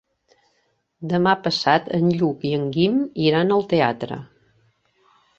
Demà passat en Lluc i en Guim iran al teatre.